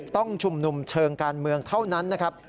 ต้องชุมนุมเชิงการเมืองเท่านั้นนะครับ